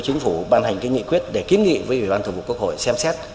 chính phủ ban hành cái nghị quyết để kiếm nghị với ủy ban thủ vục quốc hội xem xét